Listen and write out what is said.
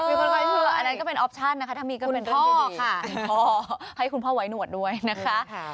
อันนั้นก็เป็นออปชั่นนะคะถ้ามีก็เป็นเรื่องที่ดีคุณพ่อค่ะให้คุณพ่อไว้หนวดด้วยนะคะ